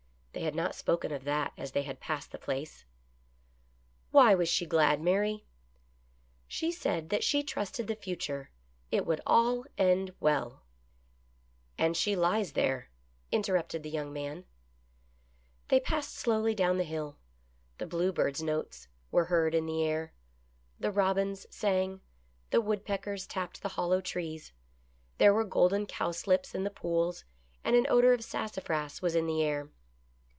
They had not spoken of that as they had passed the place. " Why was she glad, Mary ?"" She said that she trusted the future. It all would end well I lO THE pilgrims' EASTER LILY. " And she lies there," interrupted the young man. They passed slowly down the hill. The bluebirds' notes were heard in the air. The robins sang. The woodpeckers tapped the hollow trees. There were golden cowslips in the pools, and an odor of sassafras was in the air.